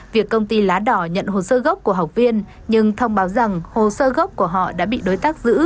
việc công ty lá đỏ nhận hồ sơ gốc của học viên nhưng thông báo rằng hồ sơ gốc của họ đã bị đối tác giữ